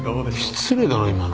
失礼だろ今のは。